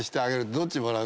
どっちもらう？